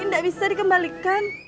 nggak bisa dikembalikan